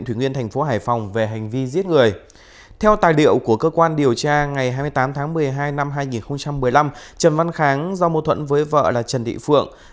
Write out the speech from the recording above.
theo tài liệu của cơ quan điều tra ngày hai mươi tám tháng một mươi hai năm hai nghìn một mươi năm trần văn kháng do mâu thuẫn với vợ là trần thị phượng